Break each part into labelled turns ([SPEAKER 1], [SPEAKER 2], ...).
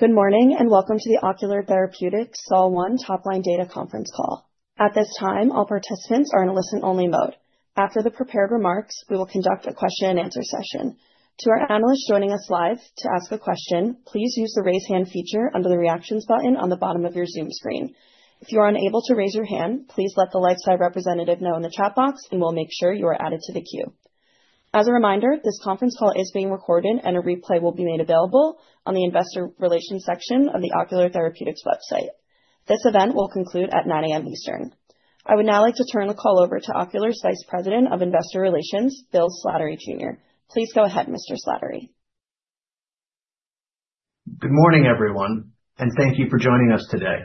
[SPEAKER 1] Good morning, and welcome to the Ocular Therapeutix SOL-1 Top Line Data Conference Call. At this time, all participants are in a listen-only mode. After the prepared remarks, we will conduct a question-and-answer session. To our analysts joining us live, to ask a question, please use the Raise Hand feature under the Reactions button on the bottom of your Zoom screen. If you are unable to raise your hand, please let the LifeSci representative know in the chat box, and we'll make sure you are added to the queue. As a reminder, this conference call is being recorded, and a replay will be made available on the Investor Relations section of the Ocular Therapeutix website. This event will conclude at 9:00 A.M. Eastern. I would now like to turn the call over to Ocular Therapeutix's Vice President of Investor Relations, Bill Slattery Jr. Please go ahead, Mr. Slattery.
[SPEAKER 2] Good morning, everyone, and thank you for joining us today.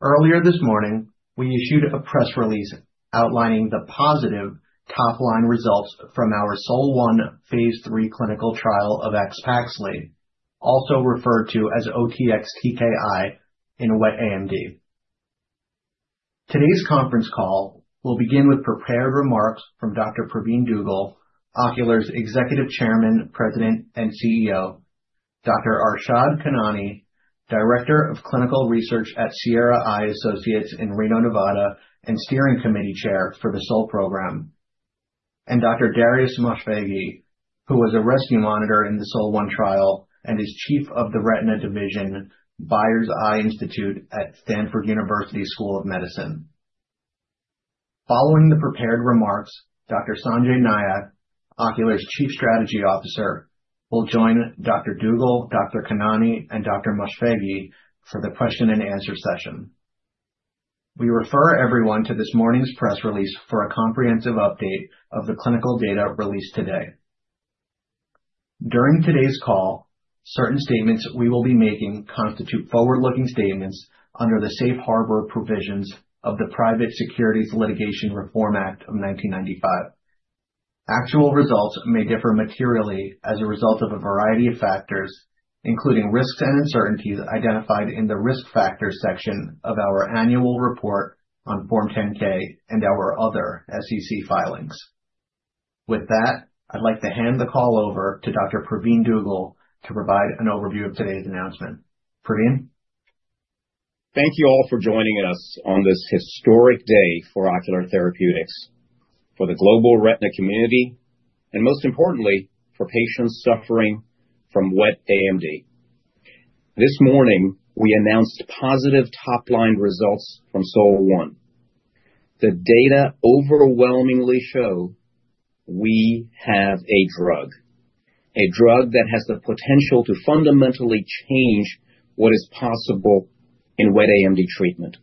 [SPEAKER 2] Earlier this morning, we issued a press release outlining the positive top-line results from our SOL-1 Phase 3 clinical trial of AXPAXLI, also referred to as OTX-TKI in wet AMD. Today's conference call will begin with prepared remarks from Dr. Pravin Dugel, Ocular's Executive Chairman, President, and CEO, Dr. Arshad Khanani, Director of Clinical Research at Sierra Eye Associates in Reno, Nevada, and Steering Committee Chair for the SOL program, and Dr. Darius Moshfeghi, who was a rescue monitor in the SOL-1 trial and is Chief of the Retina Division, Byers Eye Institute at Stanford University School of Medicine. Following the prepared remarks, Dr. Sanjay Nayak, Ocular's Chief Strategy Officer, will join Dr. Dugel, Dr. Khanani, and Dr. Moshfeghi for the question-and-answer session. We refer everyone to this morning's press release for a comprehensive update of the clinical data released today. During today's call, certain statements we will be making constitute forward-looking statements under the safe harbor provisions of the Private Securities Litigation Reform Act of 1995. Actual results may differ materially as a result of a variety of factors, including risks and uncertainties identified in the Risk Factors section of our annual report on Form 10-K and our other SEC filings. With that, I'd like to hand the call over to Dr. Pravin Dugel to provide an overview of today's announcement. Pravin?
[SPEAKER 3] Thank you all for joining us on this historic day for Ocular Therapeutix, for the global retina community, and most importantly, for patients suffering from wet AMD. This morning, we announced positive top-line results from SOL-1. The data overwhelmingly show we have a drug, a drug that has the potential to fundamentally change what is possible in wet AMD treatment.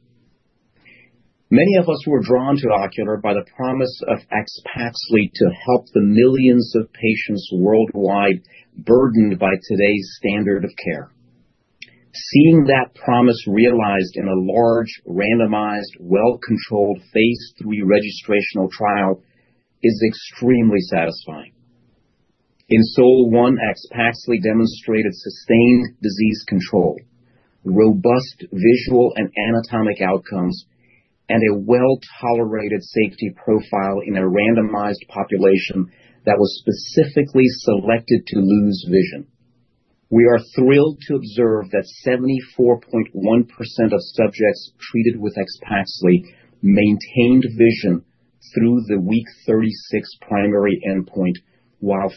[SPEAKER 3] Many of us were drawn to Ocular by the promise of AXPAXLI to help the millions of patients worldwide burdened by today's standard of care. Seeing that promise realized in a large, randomized, well-controlled phase 3 registrational trial is extremely satisfying. In SOL-1, AXPAXLI demonstrated sustained disease control, robust visual and anatomic outcomes, and a well-tolerated safety profile in a randomized population that was specifically selected to lose vision. We are thrilled to observe that 74.1% of subjects treated with AXPAXLI maintained vision through the week 36 primary endpoint, while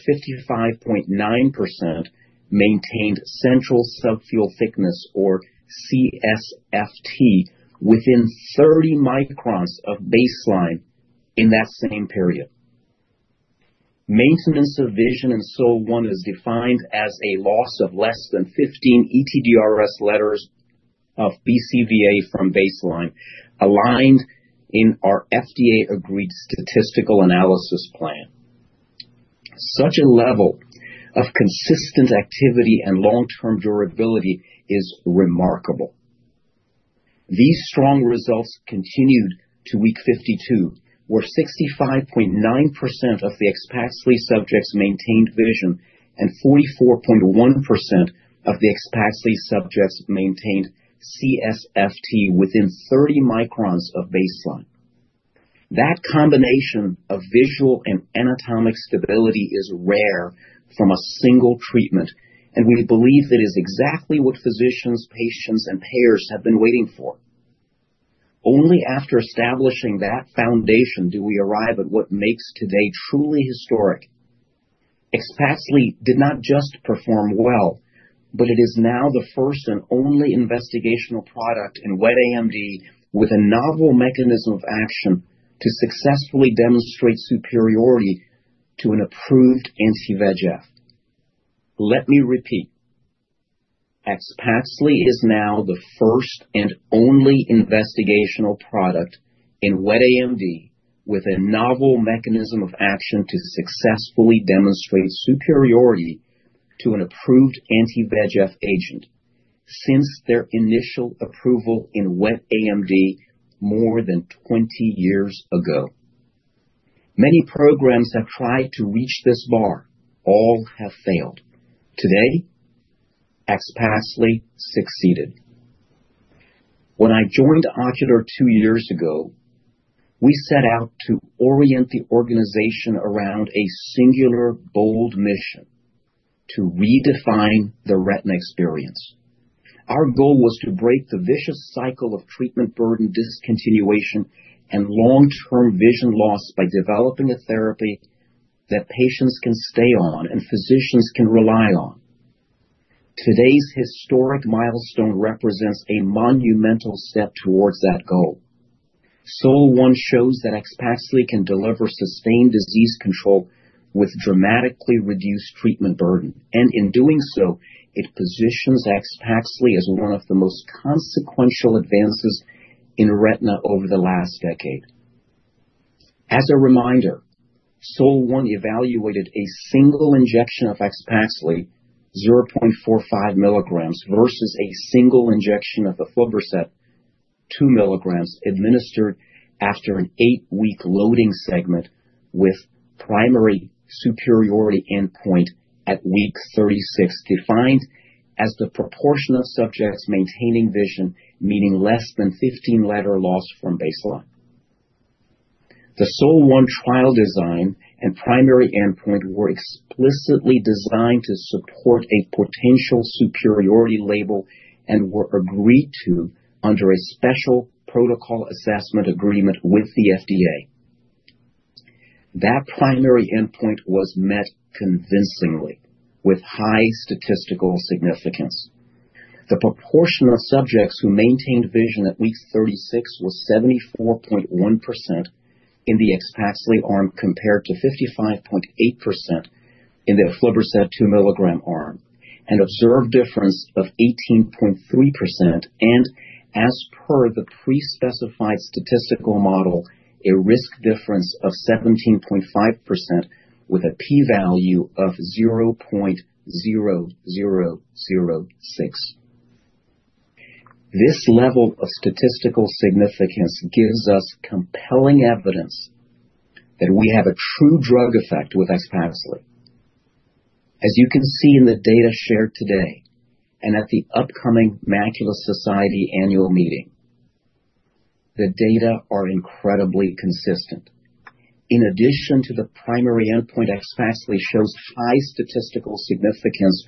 [SPEAKER 3] 55.9% maintained central subfield thickness, or CSFT, within 30 microns of baseline in that same period. Maintenance of vision in SOL-1 is defined as a loss of less than 15 ETDRS letters of BCVA from baseline, aligned in our FDA-agreed statistical analysis plan. Such a level of consistent activity and long-term durability is remarkable. These strong results continued to week 52, where 65.9% of the AXPAXLI subjects maintained vision, and 44.1% of the AXPAXLI subjects maintained CSFT within 30 microns of baseline. That combination of visual and anatomic stability is rare from a single treatment, and we believe it is exactly what physicians, patients, and payers have been waiting for. Only after establishing that foundation do we arrive at what makes today truly historic. AXPAXLI did not just perform well, but it is now the first and only investigational product in wet AMD with a novel mechanism of action to successfully demonstrate superiority to an approved anti-VEGF. Let me repeat. AXPAXLI is now the first and only investigational product in wet AMD with a novel mechanism of action to successfully demonstrate superiority to an approved anti-VEGF agent since their initial approval in wet AMD more than 20 years ago. Many programs have tried to reach this bar. All have failed. Today, AXPAXLI succeeded. When I joined Ocular 2 years ago, we set out to orient the organization around a singular, bold mission: to redefine the retina experience. Our goal was to break the vicious cycle of treatment burden, discontinuation, and long-term vision loss by developing a therapy that patients can stay on and physicians can rely on. Today's historic milestone represents a monumental step towards that goal. SOL-1 shows that AXPAXLI can deliver sustained disease control with dramatically reduced treatment burden, and in doing so, it positions AXPAXLI as one of the most consequential advances in retina over the last decade. As a reminder, SOL-1 evaluated a single injection of AXPAXLI, 0.45 milligrams, versus a single injection of aflibercept 2 milligrams, administered after an 8-week loading segment with primary superiority endpoint at week 36, defined as the proportion of subjects maintaining vision, meaning less than 15 letter loss from baseline. The SOL-1 trial design and primary endpoint were explicitly designed to support a potential superiority label and were agreed to under a special protocol assessment agreement with the FDA. That primary endpoint was met convincingly with high statistical significance. The proportion of subjects who maintained vision at week 36 was 74.1% in the AXPAXLI arm, compared to 55.8% in the aflibercept two milligram arm, an observed difference of 18.3%, and as per the pre-specified statistical model, a risk difference of 17.5% with a p-value of 0.0006. This level of statistical significance gives us compelling evidence that we have a true drug effect with AXPAXLI. As you can see in the data shared today, and at the upcoming Macula Society Annual Meeting, the data are incredibly consistent. In addition to the primary endpoint, AXPAXLI shows high statistical significance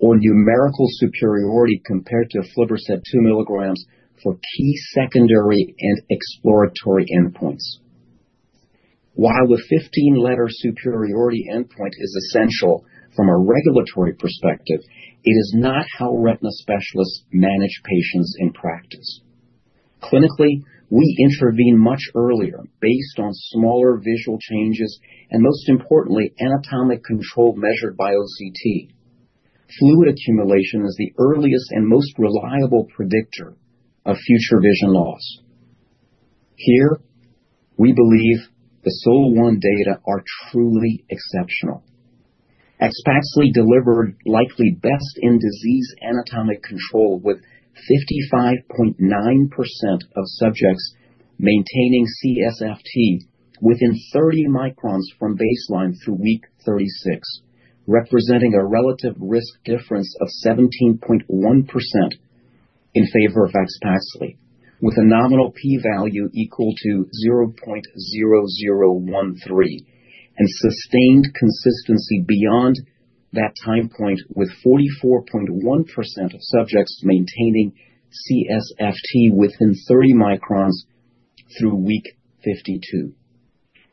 [SPEAKER 3] or numerical superiority compared to aflibercept 2 mg for key secondary and exploratory endpoints. While the 15-letter superiority endpoint is essential from a regulatory perspective, it is not how retina specialists manage patients in practice. Clinically, we intervene much earlier based on smaller visual changes and, most importantly, anatomic control measured by OCT. Fluid accumulation is the earliest and most reliable predictor of future vision loss. Here, we believe the SOL-1 data are truly exceptional. AXPAXLI delivered likely best in disease anatomic control, with 55.9% of subjects maintaining CSFT within 30 microns from baseline through week 36, representing a relative risk difference of 17.1% in favor of AXPAXLI, with a nominal p-value equal to 0.0013, and sustained consistency beyond that time point, with 44.1% of subjects maintaining CSFT within 30 microns through week 52.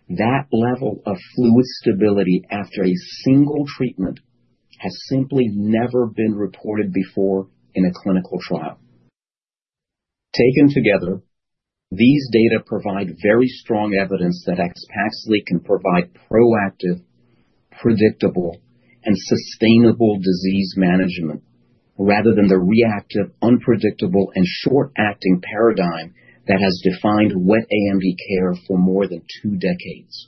[SPEAKER 3] That level of fluid stability after a single treatment has simply never been reported before in a clinical trial. Taken together, these data provide very strong evidence that AXPAXLI can provide proactive, predictable, and sustainable disease management, rather than the reactive, unpredictable, and short-acting paradigm that has defined wet AMD care for more than two decades.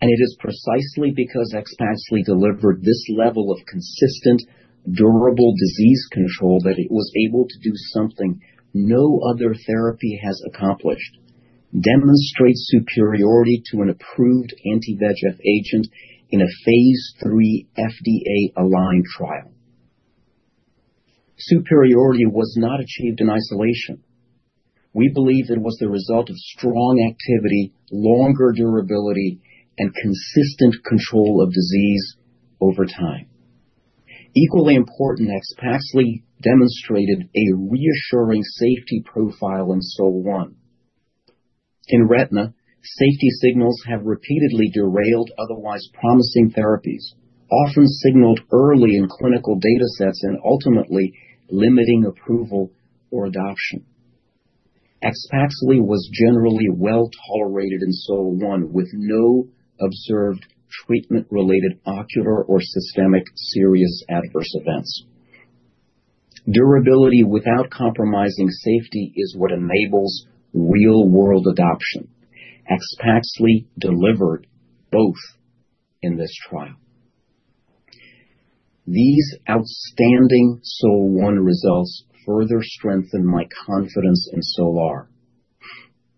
[SPEAKER 3] And it is precisely because AXPAXLI delivered this level of consistent, durable disease control, that it was able to do something no other therapy has accomplished: demonstrate superiority to an approved anti-VEGF agent in a phase 3 FDA-aligned trial. Superiority was not achieved in isolation. We believe it was the result of strong activity, longer durability, and consistent control of disease over time. Equally important, AXPAXLI demonstrated a reassuring safety profile in SOL-1. In retina, safety signals have repeatedly derailed otherwise promising therapies, often signaled early in clinical data sets and ultimately limiting approval or adoption. AXPAXLI was generally well-tolerated in SOL-1, with no observed treatment-related ocular or systemic serious adverse events. Durability without compromising safety is what enables real-world adoption. AXPAXLI delivered both in this trial. These outstanding SOL-1 results further strengthen my confidence in SOL-R.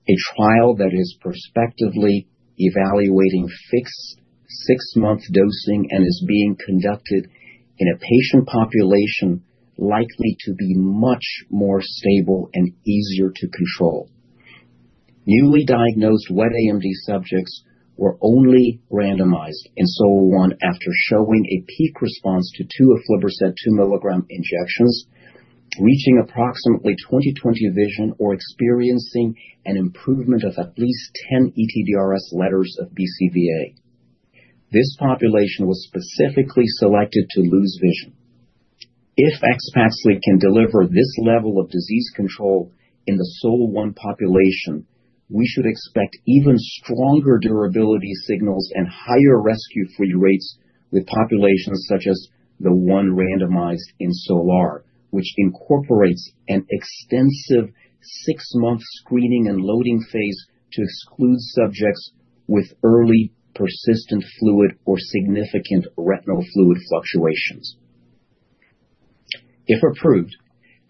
[SPEAKER 3] A trial that is prospectively evaluating fixed six-month dosing and is being conducted in a patient population likely to be much more stable and easier to control. Newly diagnosed wet AMD subjects were only randomized in SOL-1 after showing a peak response to two aflibercept 2 mg injections, reaching approximately 20/20 vision or experiencing an improvement of at least 10 ETDRS letters of BCVA. This population was specifically selected to lose vision. If AXPAXLI can deliver this level of disease control in the SOL-1 population, we should expect even stronger durability signals and higher rescue-free rates with populations such as the one randomized in SOL-R, which incorporates an extensive six-month screening and loading phase to exclude subjects with early persistent fluid or significant retinal fluid fluctuations. If approved,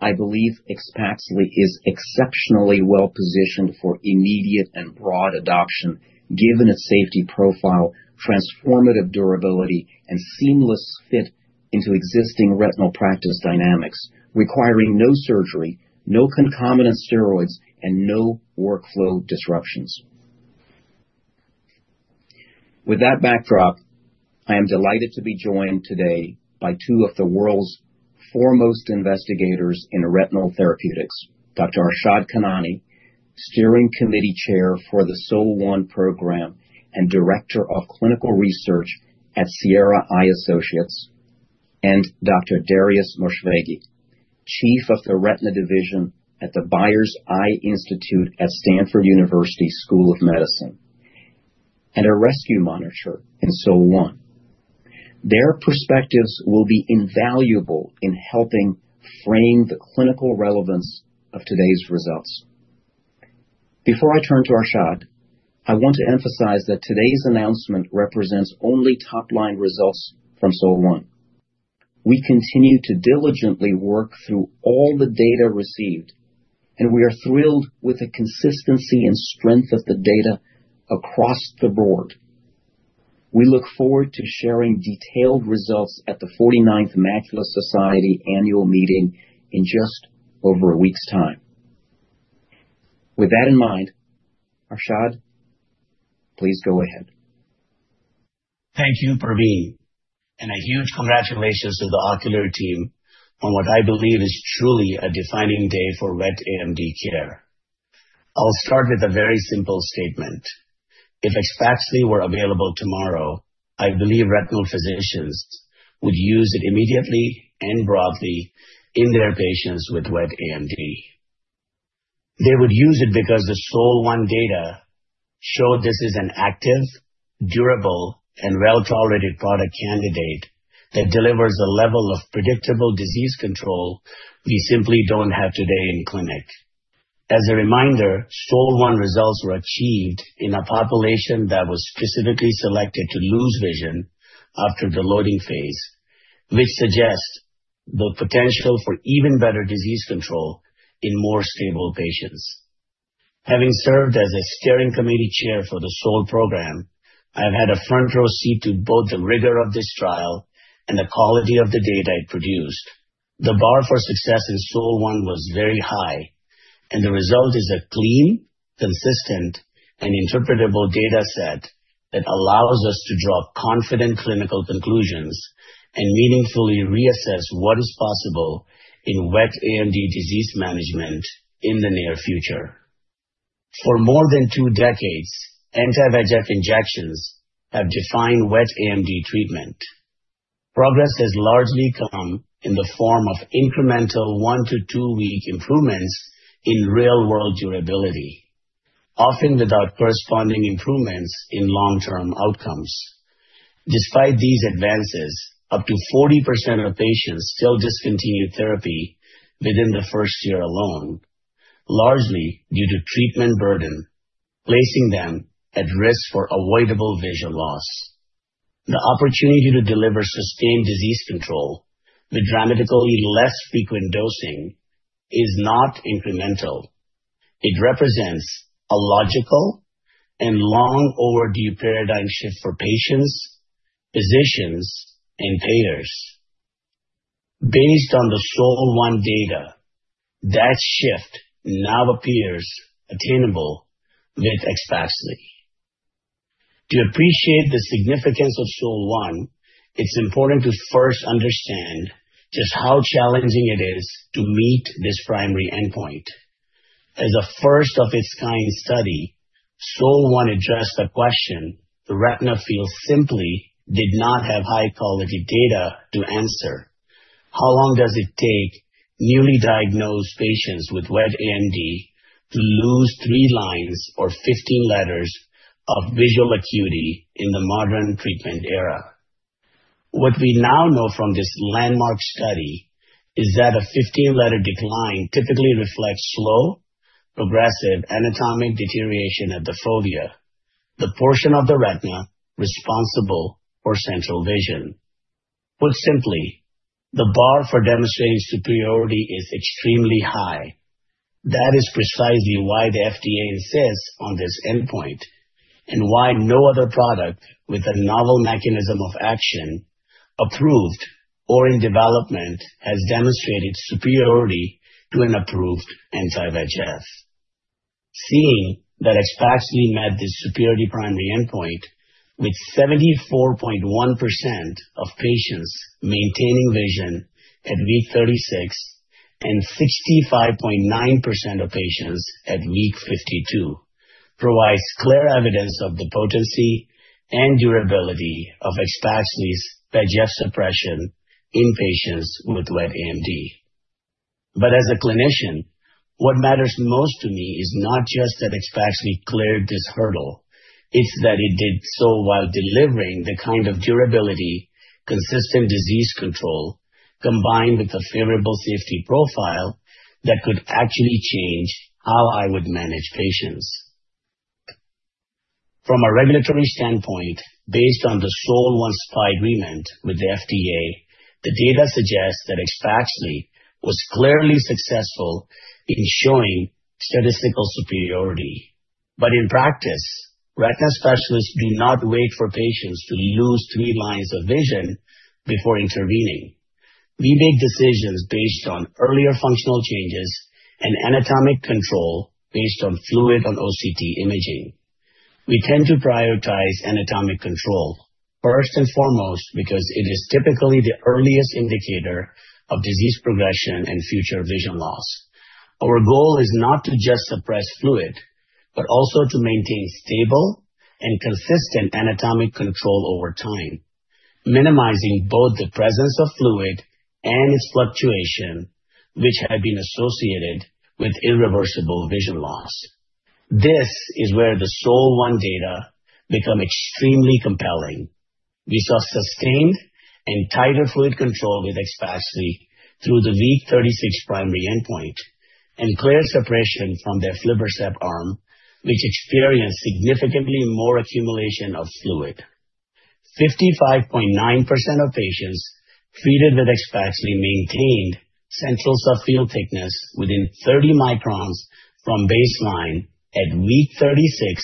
[SPEAKER 3] I believe AXPAXLI is exceptionally well-positioned for immediate and broad adoption, given its safety profile, transformative durability, and seamless fit into existing retinal practice dynamics, requiring no surgery, no concomitant steroids, and no workflow disruptions. With that backdrop, I am delighted to be joined today by two of the world's foremost investigators in retinal therapeutics, Dr. Arshad Khanani, Steering Committee Chair for the SOL-1 program and Director of Clinical Research at Sierra Eye Associates, and Dr. Darius Moshfeghi, Chief of the Retina Division at the Byers Eye Institute at Stanford University School of Medicine, and a rescue monitor in SOL-1. Their perspectives will be invaluable in helping frame the clinical relevance of today's results. Before I turn to Arshad, I want to emphasize that today's announcement represents only top-line results from SOL-1. We continue to diligently work through all the data received, and we are thrilled with the consistency and strength of the data across the board. We look forward to sharing detailed results at the 49th Macula Society Annual Meeting in just over a week's time. With that in mind, Arshad, please go ahead.
[SPEAKER 4] Thank you, Pravin, and a huge congratulations to the Ocular team on what I believe is truly a defining day for wet AMD care. I'll start with a very simple statement. If AXPAXLI were available tomorrow, I believe retinal physicians would use it immediately and broadly in their patients with wet AMD. They would use it because the SOL-1 data show this is an active, durable, and well-tolerated product candidate that delivers a level of predictable disease control we simply don't have today in clinic. As a reminder, SOL-1 results were achieved in a population that was specifically selected to lose vision after the loading phase, which suggests the potential for even better disease control in more stable patients. Having served as a steering committee chair for the SOL program, I've had a front-row seat to both the rigor of this trial and the quality of the data it produced. The bar for success in SOL-1 was very high, and the result is a clean, consistent, and interpretable data set that allows us to draw confident clinical conclusions and meaningfully reassess what is possible in wet AMD disease management in the near future. For more than two decades, anti-VEGF injections have defined wet AMD treatment. Progress has largely come in the form of incremental one- to two-week improvements in real-world durability, often without corresponding improvements in long-term outcomes. Despite these advances, up to 40% of patients still discontinue therapy within the first year alone, largely due to treatment burden, placing them at risk for avoidable visual loss. The opportunity to deliver sustained disease control with dramatically less frequent dosing is not incremental. It represents a logical and long-overdue paradigm shift for patients, physicians, and payers. Based on the SOL-1 data, that shift now appears attainable with AXPAXLI. To appreciate the significance of SOL-1, it's important to first understand just how challenging it is to meet this primary endpoint. As a first-of-its-kind study, SOL-1 addressed a question the retina field simply did not have high-quality data to answer: How long does it take newly diagnosed patients with wet AMD to lose 3 lines or 15 letters of visual acuity in the modern treatment era? What we now know from this landmark study is that a 15-letter decline typically reflects slow, progressive anatomic deterioration of the fovea, the portion of the retina responsible for central vision.... Put simply, the bar for demonstrating superiority is extremely high. That is precisely why the FDA insists on this endpoint, and why no other product with a novel mechanism of action, approved or in development, has demonstrated superiority to an approved anti-VEGF. Seeing that AXPAXLI met this superiority primary endpoint, with 74.1% of patients maintaining vision at week 36 and 65.9% of patients at week 52, provides clear evidence of the potency and durability of AXPAXLI's VEGF suppression in patients with wet AMD. But as a clinician, what matters most to me is not just that AXPAXLI cleared this hurdle, it's that it did so while delivering the kind of durability, consistent disease control, combined with a favorable safety profile that could actually change how I would manage patients. From a regulatory standpoint, based on the SOL-1 SPA agreement with the FDA, the data suggests that AXPAXLI was clearly successful in showing statistical superiority. But in practice, retina specialists do not wait for patients to lose three lines of vision before intervening. We make decisions based on earlier functional changes and anatomic control based on fluid on OCT imaging. We tend to prioritize anatomic control, first and foremost, because it is typically the earliest indicator of disease progression and future vision loss. Our goal is not to just suppress fluid, but also to maintain stable and consistent anatomic control over time, minimizing both the presence of fluid and its fluctuation, which have been associated with irreversible vision loss. This is where the SOL-1 data become extremely compelling. We saw sustained and tighter fluid control with AXPAXLI through the week 36 primary endpoint, and clear separation from the aflibercept arm, which experienced significantly more accumulation of fluid. 55.9% of patients treated with AXPAXLI maintained central subfield thickness within 30 microns from baseline at week 36,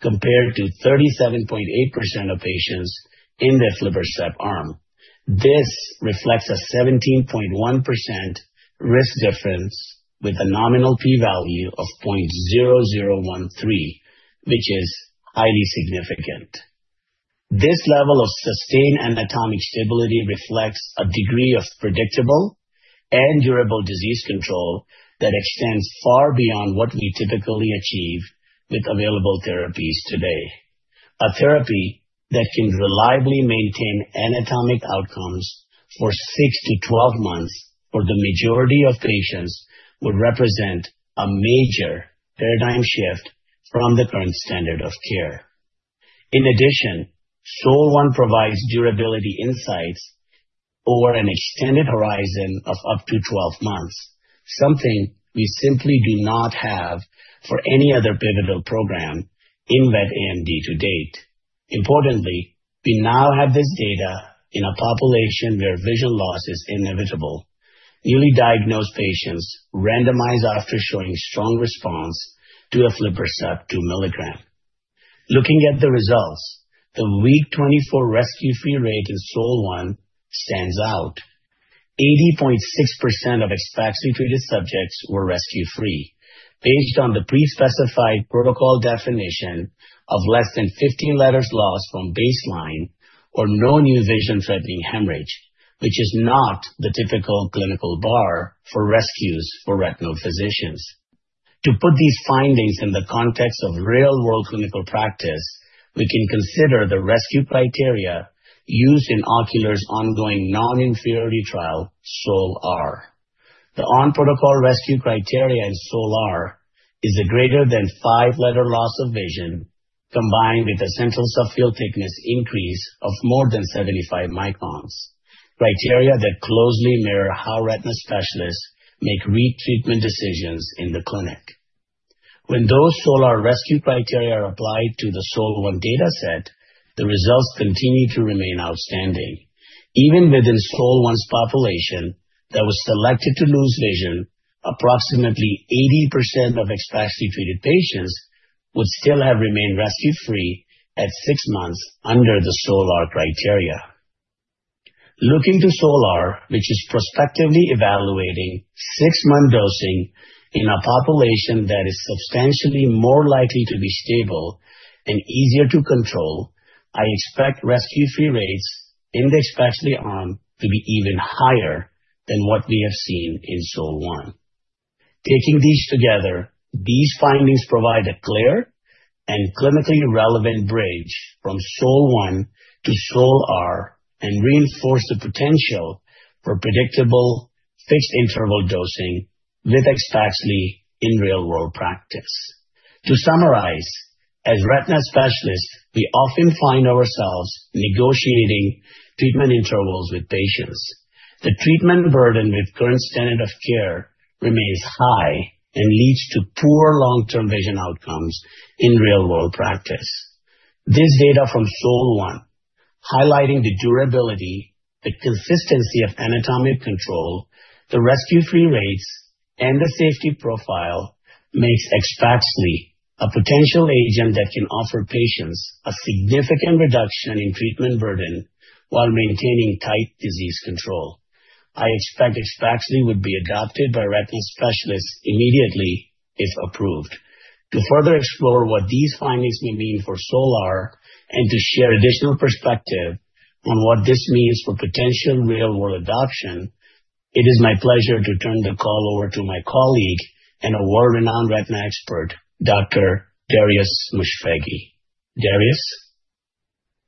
[SPEAKER 4] compared to 37.8% of patients in the aflibercept arm. This reflects a 17.1% risk difference with a nominal P value of 0.0013, which is highly significant. This level of sustained anatomic stability reflects a degree of predictable and durable disease control that extends far beyond what we typically achieve with available therapies today. A therapy that can reliably maintain anatomic outcomes for 6-12 months for the majority of patients would represent a major paradigm shift from the current standard of care. In addition, SOL-1 provides durability insights over an extended horizon of up to 12 months, something we simply do not have for any other pivotal program in wet AMD to date. Importantly, we now have this data in a population where vision loss is inevitable. Newly diagnosed patients randomized after showing strong response to aflibercept 2 mg. Looking at the results, the week 24 rescue-free rate in SOL-1 stands out. 80.6% of AXPAXLI treated subjects were rescue-free, based on the pre-specified protocol definition of less than 15 letters lost from baseline or no new vision-threatening hemorrhage, which is not the typical clinical bar for rescues for retinal physicians. To put these findings in the context of real-world clinical practice, we can consider the rescue criteria used in Ocular's ongoing non-inferiority trial, SOL-R. The on-protocol rescue criteria in SOL-R is a greater than 5 letter loss of vision, combined with a central subfield thickness increase of more than 75 microns. Criteria that closely mirror how retina specialists make retreatment decisions in the clinic. When those SOL-R rescue criteria are applied to the SOL-1 data set, the results continue to remain outstanding. Even within SOL-1's population that was selected to lose vision, approximately 80% of AXPAXLI-treated patients would still have remained rescue-free at six months under the SOL-R criteria. Looking to SOL-R, which is prospectively evaluating six-month dosing in a population that is substantially more likely to be stable and easier to control, I expect rescue-free rates in the AXPAXLI arm to be even higher than what we have seen in SOL-1. Taking these together, these findings provide a clear and clinically relevant bridge from SOL-1 to SOL-R, and reinforce the potential for predictable, fixed-interval dosing with AXPAXLI in real-world practice. To summarize, as retina specialists, we often find ourselves negotiating treatment intervals with patients. The treatment burden with current standard of care remains high and leads to poor long-term vision outcomes in real-world practice. This data from SOL-1, highlighting the durability, the consistency of anatomic control, the rescue-free rates, and the safety profile, makes AXPAXLI a potential agent that can offer patients a significant reduction in treatment burden while maintaining tight disease control. I expect AXPAXLI would be adopted by retinal specialists immediately if approved. To further explore what these findings may mean for SOL-R and to share additional perspective on what this means for potential real-world adoption, it is my pleasure to turn the call over to my colleague and a world-renowned retina expert, Dr. Darius Moshfeghi. Darius?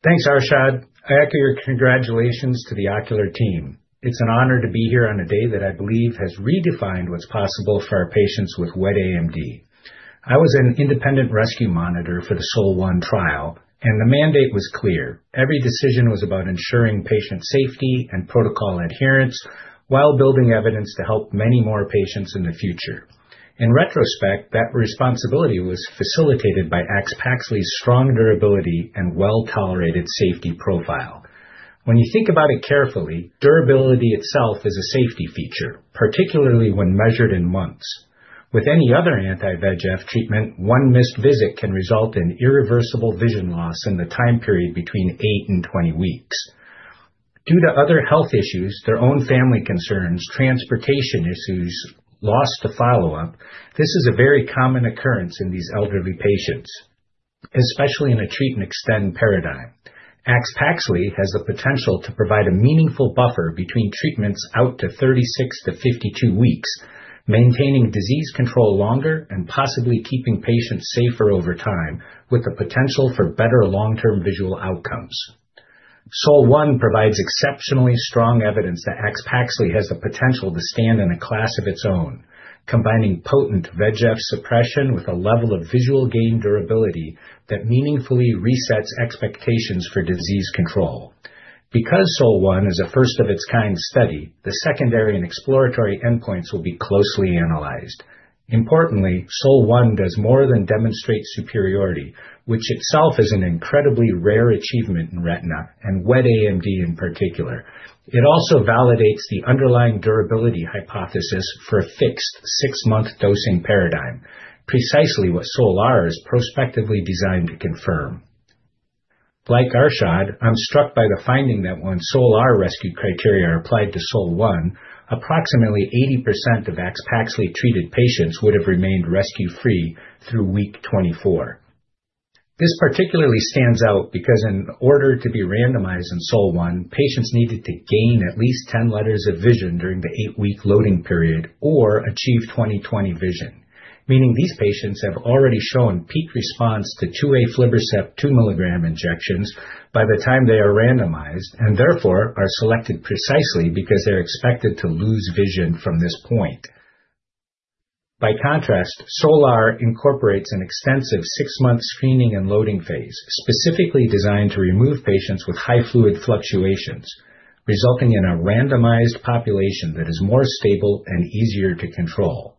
[SPEAKER 5] Thanks, Arshad. I echo your congratulations to the ocular team. It's an honor to be here on a day that I believe has redefined what's possible for our patients with wet AMD. I was an independent rescue monitor for the SOL-1 trial, and the mandate was clear: Every decision was about ensuring patient safety and protocol adherence while building evidence to help many more patients in the future. In retrospect, that responsibility was facilitated by AXPAXLI's strong durability and well-tolerated safety profile. When you think about it carefully, durability itself is a safety feature, particularly when measured in months. With any other anti-VEGF treatment, one missed visit can result in irreversible vision loss in the time period between 8 and 20 weeks. Due to other health issues, their own family concerns, transportation issues, loss to follow-up, this is a very common occurrence in these elderly patients, especially in a treatment-extend paradigm. AXPAXLI has the potential to provide a meaningful buffer between treatments out to 36-52 weeks, maintaining disease control longer and possibly keeping patients safer over time, with the potential for better long-term visual outcomes. SOL-1 provides exceptionally strong evidence that AXPAXLI has the potential to stand in a class of its own, combining potent VEGF suppression with a level of visual gain durability that meaningfully resets expectations for disease control. Because SOL-1 is a first-of-its-kind study, the secondary and exploratory endpoints will be closely analyzed. Importantly, SOL-1 does more than demonstrate superiority, which itself is an incredibly rare achievement in retina and wet AMD in particular. It also validates the underlying durability hypothesis for a fixed six-month dosing paradigm, precisely what SOL-R is prospectively designed to confirm. Like Arshad, I'm struck by the finding that when SOL-R rescue criteria are applied to SOL-1, approximately 80% of AXPAXLI-treated patients would have remained rescue-free through week 24. This particularly stands out because in order to be randomized in SOL-1, patients needed to gain at least 10 letters of vision during the 8-week loading period or achieve 20/20 vision, meaning these patients have already shown peak response to two aflibercept 2-mg injections by the time they are randomized and therefore are selected precisely because they're expected to lose vision from this point. By contrast, SOL-R incorporates an extensive six-month screening and loading phase, specifically designed to remove patients with high fluid fluctuations, resulting in a randomized population that is more stable and easier to control.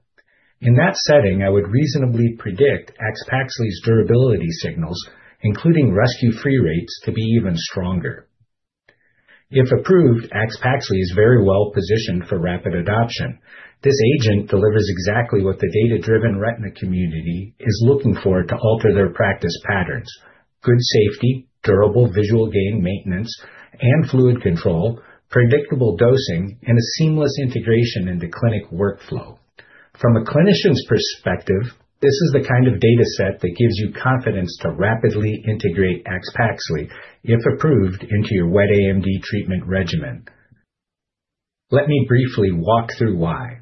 [SPEAKER 5] In that setting, I would reasonably predict AXPAXLI's durability signals, including rescue-free rates, to be even stronger. If approved, AXPAXLI is very well positioned for rapid adoption. This agent delivers exactly what the data-driven retina community is looking for to alter their practice patterns: good safety, durable visual gain maintenance and fluid control, predictable dosing, and a seamless integration into clinic workflow. From a clinician's perspective, this is the kind of data set that gives you confidence to rapidly integrate AXPAXLI, if approved, into your wet AMD treatment regimen. Let me briefly walk through why.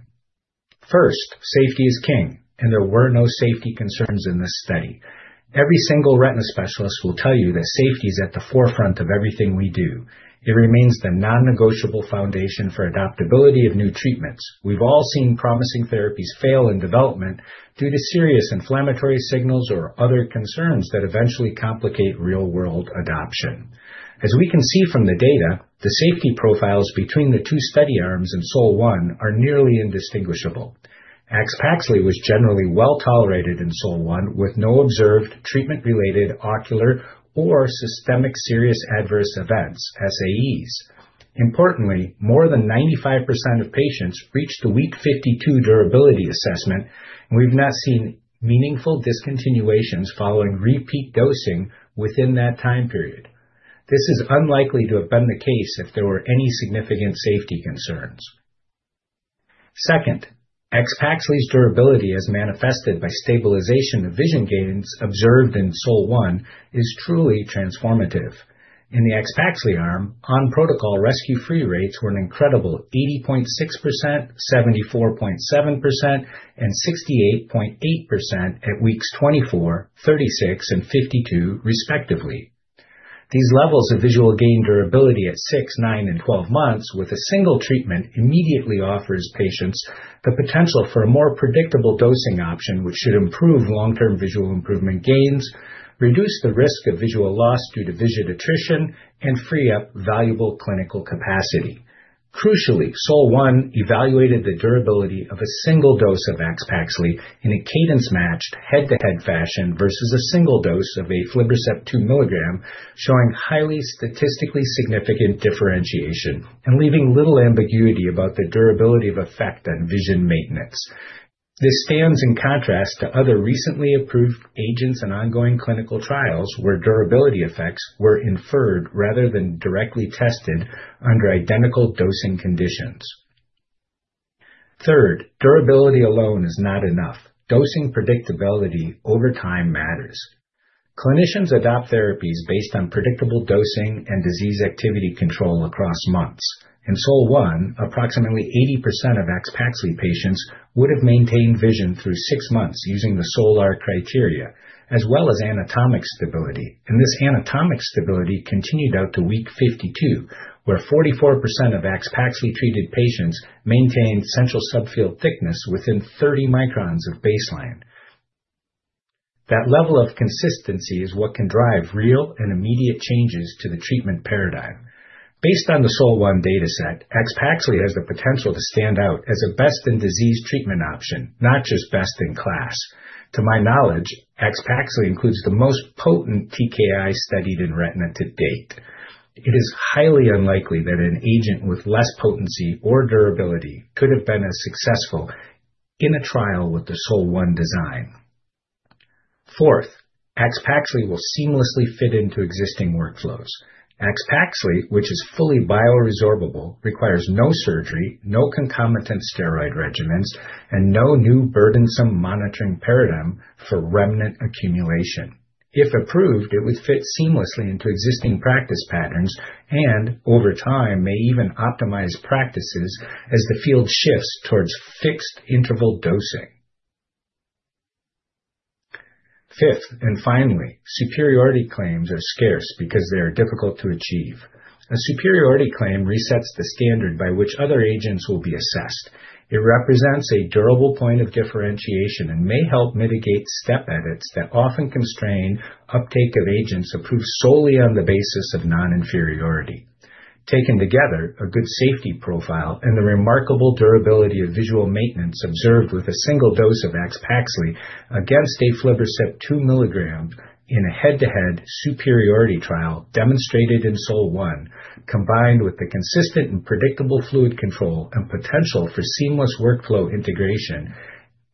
[SPEAKER 5] First, safety is king, and there were no safety concerns in this study. Every single retina specialist will tell you that safety is at the forefront of everything we do. It remains the non-negotiable foundation for adaptability of new treatments. We've all seen promising therapies fail in development due to serious inflammatory signals or other concerns that eventually complicate real-world adoption. As we can see from the data, the safety profiles between the two study arms in SOL-1 are nearly indistinguishable. AXPAXLI was generally well-tolerated in SOL-1, with no observed treatment-related ocular or systemic serious adverse events, SAEs. Importantly, more than 95% of patients reached the week 52 durability assessment, and we've not seen meaningful discontinuations following repeat dosing within that time period. This is unlikely to have been the case if there were any significant safety concerns. Second, AXPAXLI's durability, as manifested by stabilization of vision gains observed in SOL-1, is truly transformative. In the AXPAXLI arm, on-protocol rescue-free rates were an incredible 80.6%, 74.7%, and 68.8% at weeks 24, 36, and 52, respectively. These levels of visual gain durability at 6, 9, and 12 months with a single treatment immediately offers patients the potential for a more predictable dosing option, which should improve long-term visual improvement gains, reduce the risk of visual loss due to vision attrition, and free up valuable clinical capacity. Crucially, SOL-1 evaluated the durability of a single dose of AXPAXLI in a cadence-matched head-to-head fashion versus a single dose of EYLEA aflibercept 2 mg, showing highly statistically significant differentiation and leaving little ambiguity about the durability of effect on vision maintenance. This stands in contrast to other recently approved agents and ongoing clinical trials, where durability effects were inferred rather than directly tested under identical dosing conditions. Third, durability alone is not enough. Dosing predictability over time matters. Clinicians adopt therapies based on predictable dosing and disease activity control across months. In SOL-1, approximately 80% of AXPAXLI patients would have maintained vision through 6 months using the SOL-R criteria, as well as anatomic stability. This anatomic stability continued out to week 52, where 44% of AXPAXLI-treated patients maintained central subfield thickness within 30 microns of baseline. That level of consistency is what can drive real and immediate changes to the treatment paradigm. Based on the SOL-1 dataset, AXPAXLI has the potential to stand out as a best-in-disease treatment option, not just best in class. To my knowledge, AXPAXLI includes the most potent TKI studied in retina to date. It is highly unlikely that an agent with less potency or durability could have been as successful in a trial with the SOL-1 design. Fourth, AXPAXLI will seamlessly fit into existing workflows. AXPAXLI, which is fully bioresorbable, requires no surgery, no concomitant steroid regimens, and no new burdensome monitoring paradigm for remnant accumulation. If approved, it would fit seamlessly into existing practice patterns and over time, may even optimize practices as the field shifts towards fixed-interval dosing. Fifth, and finally, superiority claims are scarce because they are difficult to achieve. A superiority claim resets the standard by which other agents will be assessed. It represents a durable point of differentiation and may help mitigate step edits that often constrain uptake of agents approved solely on the basis of non-inferiority. Taken together, a good safety profile and the remarkable durability of visual maintenance observed with a single dose of AXPAXLI against aflibercept 2 mg in a head-to-head superiority trial demonstrated in SOL-1, combined with the consistent and predictable fluid control and potential for seamless workflow integration,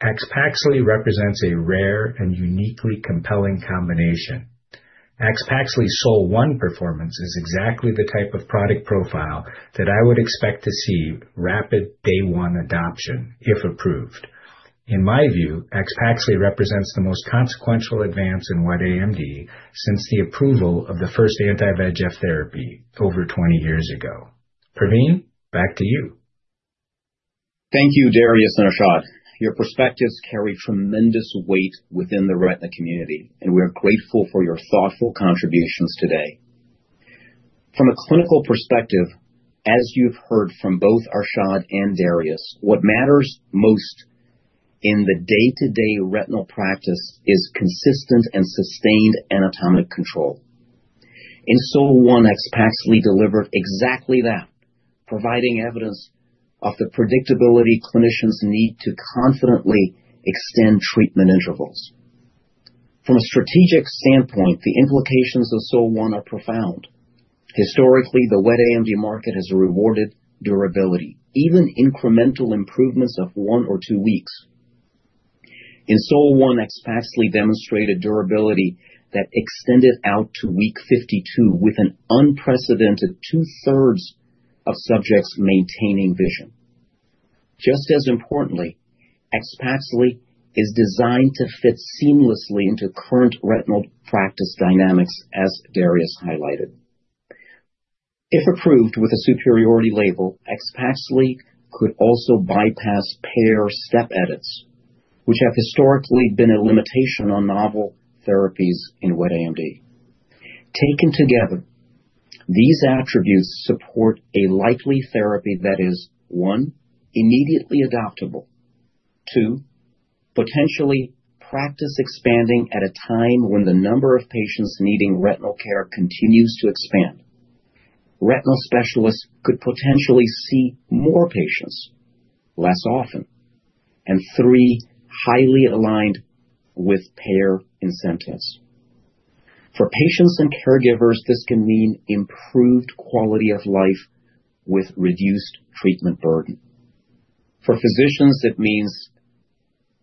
[SPEAKER 5] AXPAXLI represents a rare and uniquely compelling combination. AXPAXLI's SOL-1 performance is exactly the type of product profile that I would expect to see rapid day one adoption, if approved. In my view, AXPAXLI represents the most consequential advance in wet AMD since the approval of the first anti-VEGF therapy over 20 years ago. Pravin, back to you.
[SPEAKER 3] Thank you, Darius and Arshad. Your perspectives carry tremendous weight within the retina community, and we are grateful for your thoughtful contributions today. From a clinical perspective, as you've heard from both Arshad and Darius, what matters most in the day-to-day retinal practice is consistent and sustained anatomic control. In SOL-1, AXPAXLI delivered exactly that, providing evidence of the predictability clinicians need to confidently extend treatment intervals. From a strategic standpoint, the implications of SOL-1 are profound. Historically, the wet AMD market has rewarded durability, even incremental improvements of one or two weeks. In SOL-1, AXPAXLI demonstrated durability that extended out to week 52 with an unprecedented two-thirds of subjects maintaining vision. Just as importantly, AXPAXLI is designed to fit seamlessly into current retinal practice dynamics, as Darius highlighted. If approved with a superiority label, AXPAXLI could also bypass payer step edits, which have historically been a limitation on novel therapies in wet AMD. Taken together, these attributes support a likely therapy that is, one, immediately adaptable. Two, potentially practice expanding at a time when the number of patients needing retinal care continues to expand. Retinal specialists could potentially see more patients less often. And three, highly aligned with payer incentives. For patients and caregivers, this can mean improved quality of life with reduced treatment burden. For physicians, it means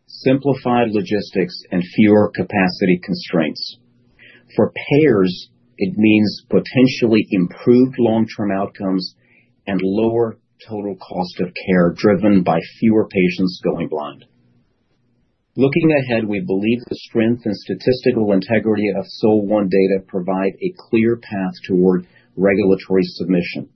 [SPEAKER 3] simplified logistics and fewer capacity constraints. For payers, it means potentially improved long-term outcomes and lower total cost of care, driven by fewer patients going blind. Looking ahead, we believe the strength and statistical integrity of SOL-1 data provide a clear path toward regulatory submission.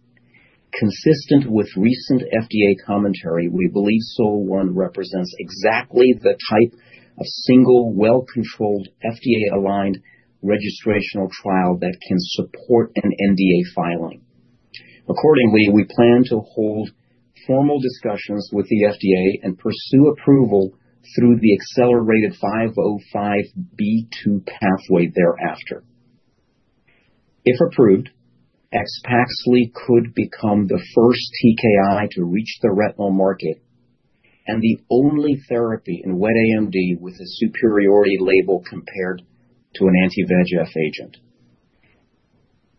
[SPEAKER 3] Consistent with recent FDA commentary, we believe SOL-1 represents exactly the type of single, well-controlled, FDA-aligned registrational trial that can support an NDA filing. Accordingly, we plan to hold formal discussions with the FDA and pursue approval through the accelerated 505(b)(2) pathway thereafter... If approved, AXPAXLI could become the first TKI to reach the retinal market and the only therapy in wet AMD with a superiority label compared to an anti-VEGF agent.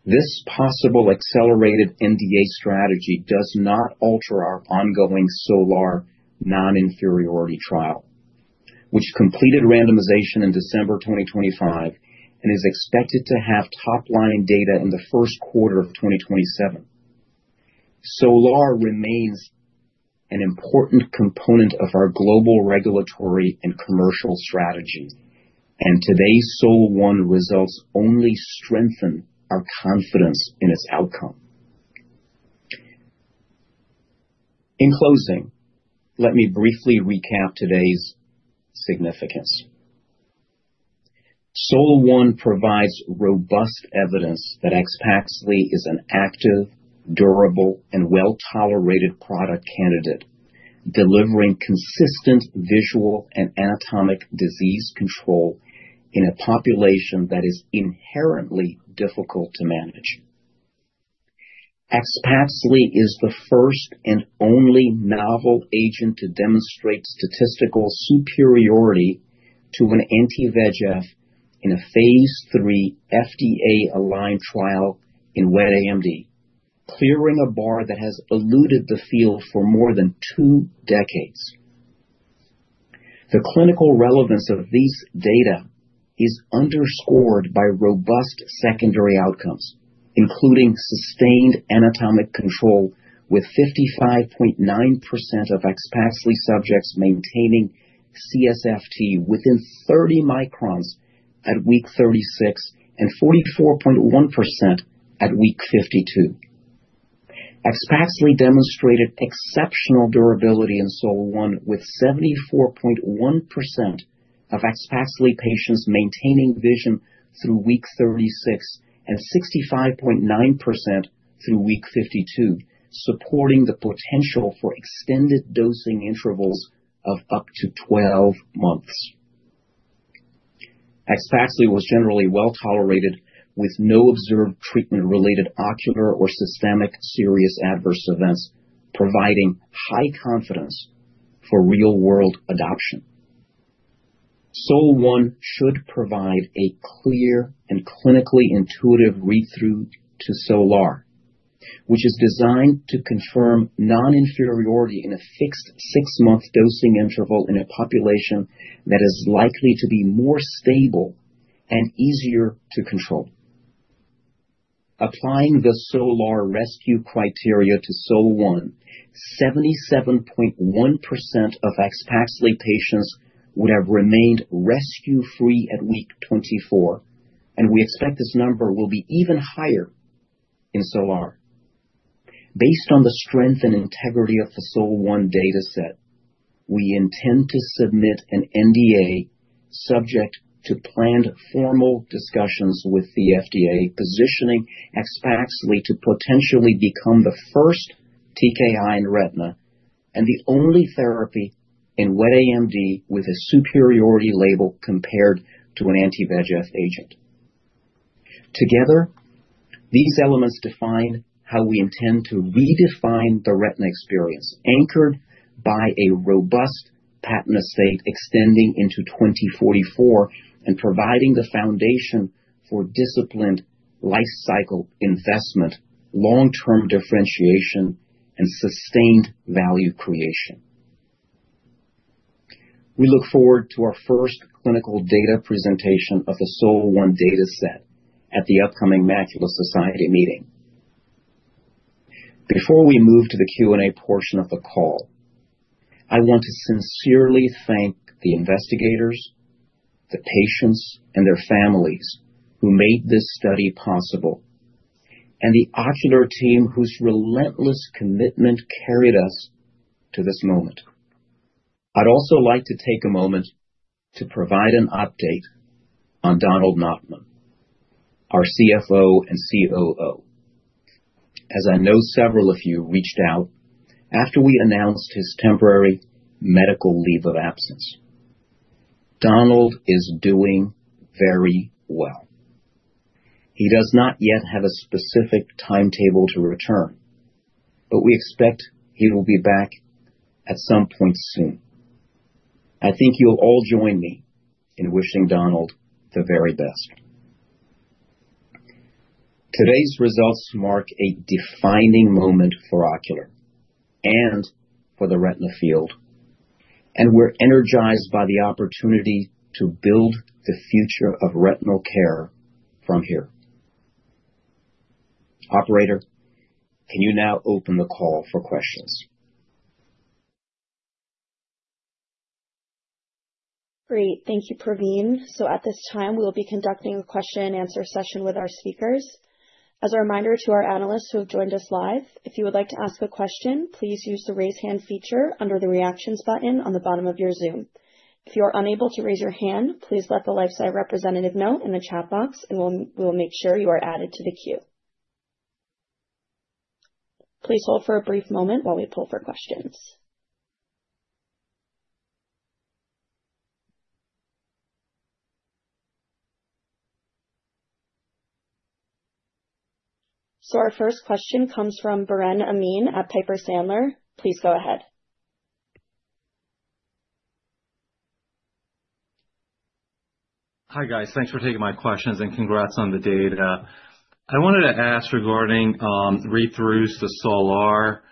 [SPEAKER 3] This possible accelerated NDA strategy does not alter our ongoing SOL-R non-inferiority trial, which completed randomization in December 2025 and is expected to have top-line data in the first quarter of 2027. SOL-R remains an important component of our global regulatory and commercial strategy, and today's SOL-1 results only strengthen our confidence in its outcome. In closing, let me briefly recap today's significance. SOL-1 provides robust evidence that AXPAXLI is an active, durable, and well-tolerated product candidate, delivering consistent visual and anatomic disease control in a population that is inherently difficult to manage. AXPAXLI is the first and only novel agent to demonstrate statistical superiority to an anti-VEGF in a phase 3 FDA-aligned trial in wet AMD, clearing a bar that has eluded the field for more than two decades. The clinical relevance of these data is underscored by robust secondary outcomes, including sustained anatomic control, with 55.9% of AXPAXLI subjects maintaining CSFT within 30 microns at week 36 and 44.1% at week 52. AXPAXLI demonstrated exceptional durability in SOL-1, with 74.1% of AXPAXLI patients maintaining vision through week 36 and 65.9% through week 52, supporting the potential for extended dosing intervals of up to 12 months. AXPAXLI was generally well tolerated, with no observed treatment-related ocular or systemic serious adverse events, providing high confidence for real-world adoption. SOL-1 should provide a clear and clinically intuitive read-through to SOL-R, which is designed to confirm non-inferiority in a fixed six-month dosing interval in a population that is likely to be more stable and easier to control. Applying the SOL-R rescue criteria to SOL-1, 77.1% of AXPAXLI patients would have remained rescue-free at week 24, and we expect this number will be even higher in SOL-R. Based on the strength and integrity of the SOL-1 data set, we intend to submit an NDA subject to planned formal discussions with the FDA, positioning AXPAXLI to potentially become the first TKI in retina and the only therapy in wet AMD with a superiority label compared to an anti-VEGF agent. Together, these elements define how we intend to redefine the retina experience, anchored by a robust patent estate extending into 2044 and providing the foundation for disciplined life cycle investment, long-term differentiation, and sustained value creation. We look forward to our first clinical data presentation of the SOL-1 data set at the upcoming Macula Society meeting. Before we move to the Q&A portion of the call, I want to sincerely thank the investigators, the patients and their families who made this study possible, and the Ocular team, whose relentless commitment carried us to this moment. I'd also like to take a moment to provide an update on Donald Notman, our CFO and COO. As I know, several of you reached out after we announced his temporary medical leave of absence. Donald is doing very well. He does not yet have a specific timetable to return, but we expect he will be back at some point soon. I think you'll all join me in wishing Donald the very best. Today's results mark a defining moment for Ocular and for the retina field, and we're energized by the opportunity to build the future of retinal care from here. Operator, can you now open the call for questions?
[SPEAKER 1] Great. Thank you, Pravin. So at this time, we will be conducting a question-and-answer session with our speakers. As a reminder to our analysts who have joined us live, if you would like to ask a question, please use the Raise Hand feature under the Reactions button on the bottom of your Zoom. If you are unable to raise your hand, please let the LifeSci representative know in the chat box, and we'll make sure you are added to the queue. Please hold for a brief moment while we pull for questions. So our first question comes from Biren Amin at Piper Sandler. Please go ahead.
[SPEAKER 6] Hi, guys. Thanks for taking my questions, and congrats on the data. I wanted to ask regarding read throughs to SOL-R.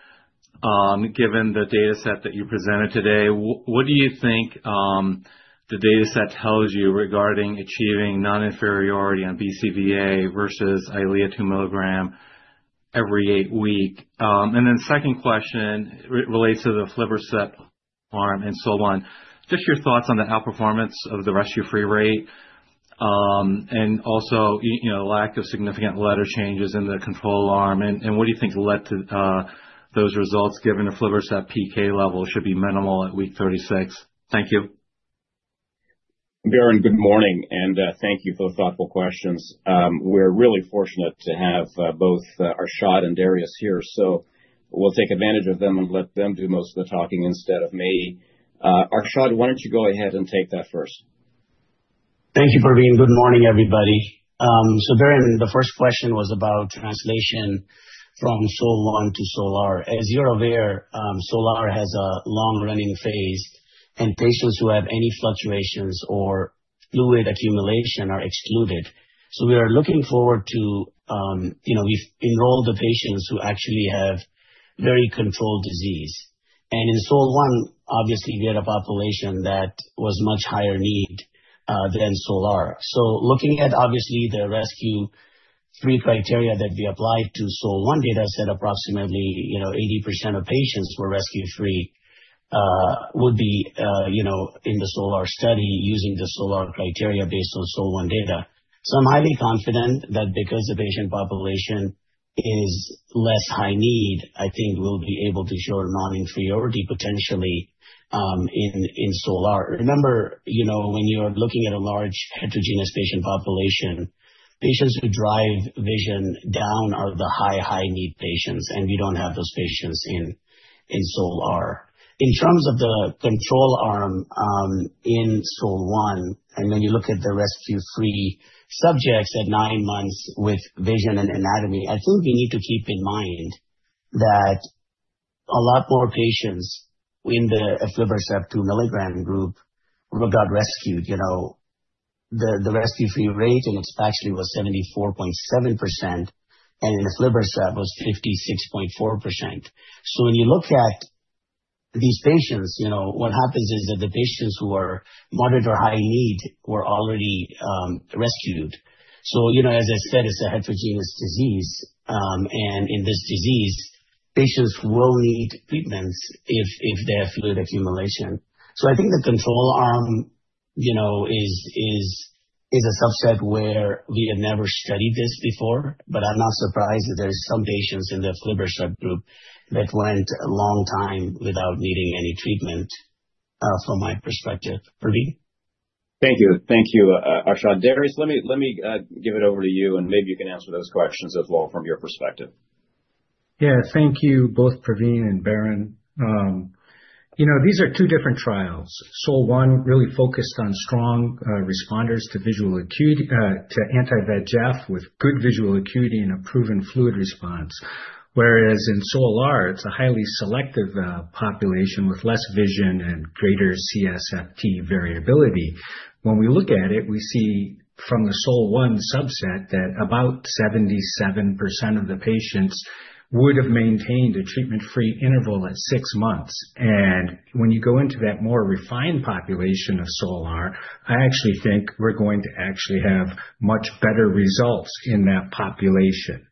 [SPEAKER 6] Given the data set that you presented today, what do you think the data set tells you regarding achieving non-inferiority on BCVA versus EYLEA 2 mg every 8 weeks? And then second question relates to the aflibercept arm and so on. Just your thoughts on the outperformance of the rescue-free rate, and also, you know, lack of significant letter changes in the control arm, and what do you think led to those results, given the aflibercept PK level should be minimal at week 36? Thank you.
[SPEAKER 3] Biren, good morning, and thank you for the thoughtful questions. We're really fortunate to have both Arshad and Darius here, so we'll take advantage of them and let them do most of the talking instead of me. Arshad, why don't you go ahead and take that first?
[SPEAKER 4] Thank you, Biren. Good morning, everybody. So Biren, the first question was about translation from SOL-1 to SOL-R. As you're aware, SOL-R has a long running phase, and patients who have any fluctuations or fluid accumulation are excluded. So we are looking forward to. You know, we've enrolled the patients who actually have very controlled disease. And in SOL-1, obviously, we had a population that was much higher need than SOL-R. So looking at, obviously, the rescue-free criteria that we applied to SOL-1 dataset, approximately, you know, 80% of patients were rescue free, would be, you know, in the SOL-R study using the SOL-R criteria based on SOL-1 data. So I'm highly confident that because the patient population is less high need, I think we'll be able to show non-inferiority potentially in SOL-R. Remember, you know, when you are looking at a large heterogeneous patient population, patients who drive vision down are the high, high need patients, and we don't have those patients in SOL-1. In terms of the control arm in SOL-1, and when you look at the rescue-free subjects at nine months with vision and anatomy, I think we need to keep in mind that a lot more patients in the aflibercept 2-milligram group got rescued. You know, the rescue-free rate in it actually was 74.7%, and in aflibercept was 56.4%. So when you look at these patients, you know, what happens is that the patients who are moderate or high need were already rescued. So, you know, as I said, it's a heterogeneous disease, and in this disease, patients will need treatment if they have fluid accumulation. I think the control arm, you know, is a subset where we have never studied this before, but I'm not surprised that there are some patients in the aflibercept group that went a long time without needing any treatment, from my perspective. Pravin?
[SPEAKER 3] Thank you. Thank you, Arshad. Darius, let me give it over to you, and maybe you can answer those questions as well from your perspective.
[SPEAKER 5] Yeah. Thank you, both Pravin and Biren. You know, these are two different trials. SOL-1 really focused on strong responders to visual acuity to anti-VEGF, with good visual acuity and a proven fluid response. Whereas in SOL-R, it's a highly selective population with less vision and greater CSFT variability. When we look at it, we see from the SOL-1 subset that about 77% of the patients would have maintained a treatment-free interval at six months. And when you go into that more refined population of SOL-R, I actually think we're going to actually have much better results in that population.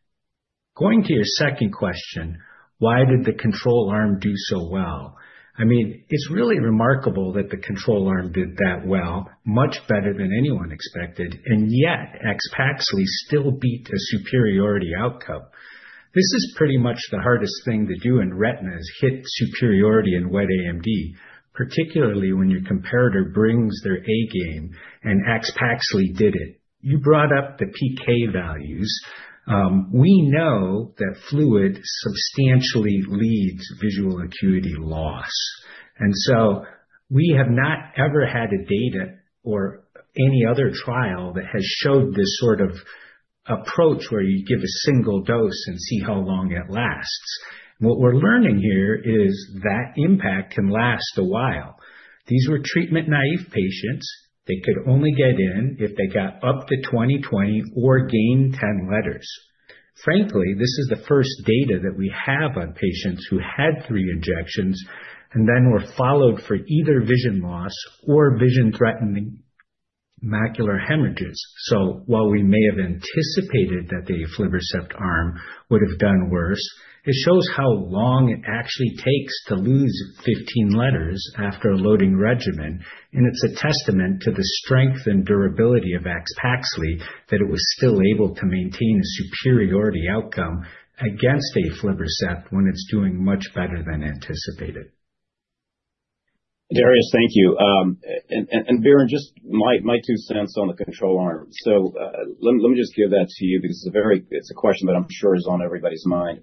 [SPEAKER 5] Going to your second question, why did the control arm do so well? I mean, it's really remarkable that the control arm did that well, much better than anyone expected, and yet AXPAXLI still beat the superiority outcome. This is pretty much the hardest thing to do in retinas, hit superiority in wet AMD, particularly when your comparator brings their A game, and AXPAXLI did it. You brought up the PK values. We know that fluid substantially leads visual acuity loss, and so we have not ever had a data or any other trial that has showed this sort of approach, where you give a single dose and see how long it lasts. What we're learning here is that impact can last a while. These were treatment-naive patients. They could only get in if they got up to 20/20 or gained 10 letters. Frankly, this is the first data that we have on patients who had 3 injections and then were followed for either vision loss or vision-threatening macular hemorrhages. So while we may have anticipated that the aflibercept arm would have done worse, it shows how long it actually takes to lose 15 letters after a loading regimen, and it's a testament to the strength and durability of AXPAXLI, that it was still able to maintain a superiority outcome against aflibercept, when it's doing much better than anticipated.
[SPEAKER 3] Darius, thank you. And Biren, just my two cents on the control arm. So, let me just give that to you because it's a question that I'm sure is on everybody's mind.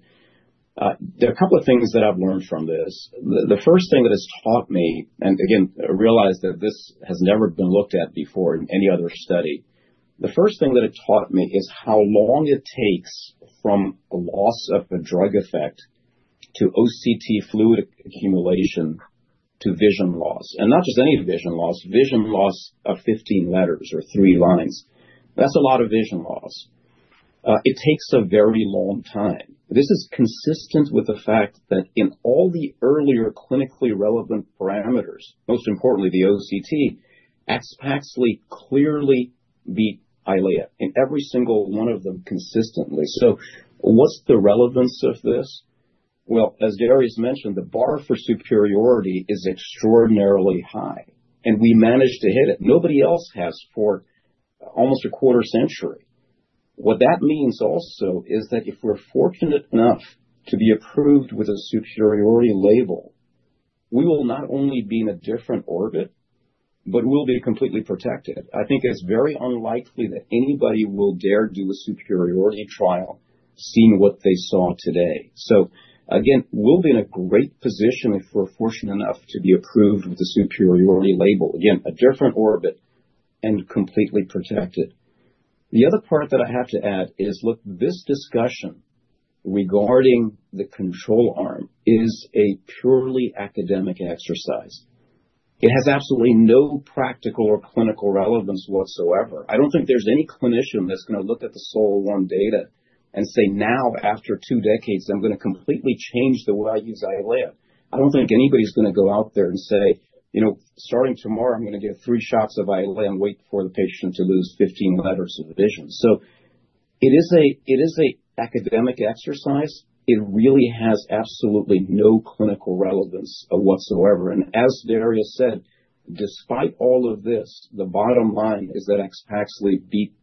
[SPEAKER 3] There are a couple of things that I've learned from this. The first thing that it's taught me, and again, realize that this has never been looked at before in any other study. The first thing that it taught me is how long it takes from the loss of a drug effect to OCT fluid accumulation, to vision loss, and not just any vision loss, vision loss of 15 letters or 3 lines. That's a lot of vision loss. It takes a very long time. This is consistent with the fact that in all the earlier clinically relevant parameters, most importantly, the OCT, AXPAXLI clearly beat EYLEA in every single one of them consistently. So what's the relevance of this? Well, as Darius mentioned, the bar for superiority is extraordinarily high, and we managed to hit it. Nobody else has for almost a quarter century. What that means also is that if we're fortunate enough to be approved with a superiority label, we will not only be in a different orbit, but we'll be completely protected. I think it's very unlikely that anybody will dare do a superiority trial, seeing what they saw today. So again, we'll be in a great position if we're fortunate enough to be approved with a superiority label. Again, a different orbit and completely protected. The other part that I have to add is, look, this discussion regarding the control arm is a purely academic exercise. It has absolutely no practical or clinical relevance whatsoever. I don't think there's any clinician that's going to look at the SOL-1 data and say, "Now, after two decades, I'm going to completely change the way I use EYLEA." I don't think anybody's going to go out there and say, "You know, starting tomorrow, I'm going to give three shots of EYLEA and wait for the patient to lose 15 letters of vision." So it is an academic exercise. It really has absolutely no clinical relevance whatsoever. And as Darius said, despite all of this, the bottom line is that AXPAXLI beat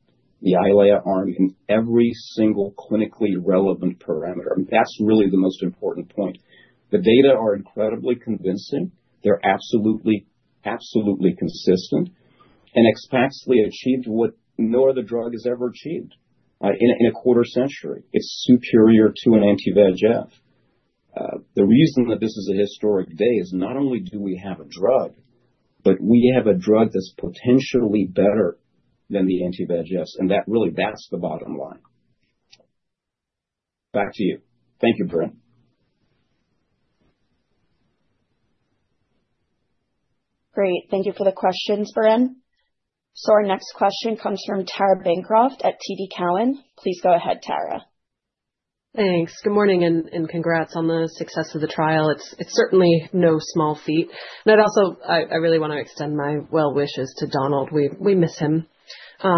[SPEAKER 3] the EYLEA arm in every single clinically relevant parameter. That's really the most important point. The data are incredibly convincing. They're absolutely, absolutely consistent, and AXPAXLI achieved what no other drug has ever achieved, in a, in a quarter century. It's superior to an anti-VEGF. The reason that this is a historic day is not only do we have a drug, but we have a drug that's potentially better than the anti-VEGFs, and that really, that's the bottom line. Back to you. Thank you, Biren.
[SPEAKER 1] Great. Thank you for the questions, Biren. Our next question comes from Tara Bancroft at TD Cowen. Please go ahead, Tara.
[SPEAKER 7] Thanks. Good morning, and congrats on the success of the trial. It's certainly no small feat. But also, I really want to extend my well wishes to Donald. We miss him. So